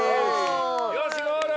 よしゴール！